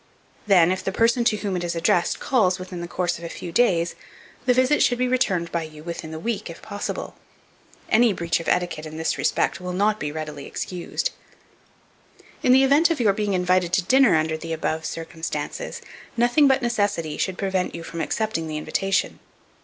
Then, if the person, to whom it is addressed, calls in the course of a few days, the visit should be returned by you within the week, if possible. Any breach of etiquette, in this respect, will not readily be excused. In the event of your being invited to dinner under the above circumstances, nothing but necessity should prevent you from accepting the invitation.